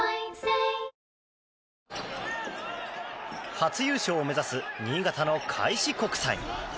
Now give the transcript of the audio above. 初優勝を目指す新潟の開志国際。